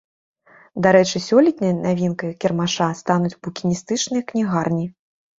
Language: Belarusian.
Дарэчы, сёлетняй навінкай кірмаша стануць букіністычныя кнігарні.